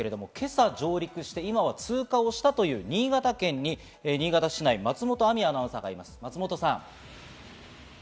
今朝、上陸して今は通過をしたという新潟県新潟市内の松本亜美アナウンサーがいます。